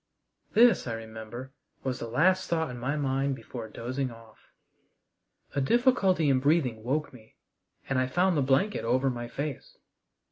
This, I remember, was the last thought in my mind before dozing off. A difficulty in breathing woke me, and I found the blanket over my face.